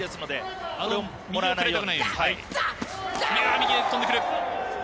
左右で飛んでくる。